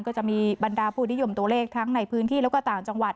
ก็จะมีบรรดาผู้นิยมตัวเลขทั้งในพื้นที่แล้วก็ต่างจังหวัด